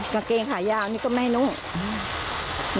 สักเกนขายาวนี่บางน้องหน้าก็ไม่ได้ให้แต่ง